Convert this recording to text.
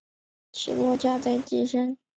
起落架在机身。